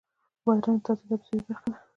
بادرنګ د تازه سبزیو برخه ده.